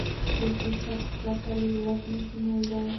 سیاسي ثبات پرته له ولسه ناشونی دی.